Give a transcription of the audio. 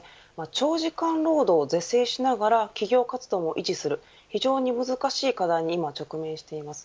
長時間労働を是正しながら企業活動も維持する非常に難しい課題に今、直面しています。